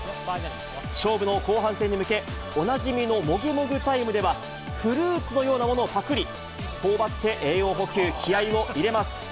勝負の後半戦に向け、おなじみのもぐもぐタイムでは、フルーツのようなものをぱくり、ほおばって栄養補給、気合いを入れます。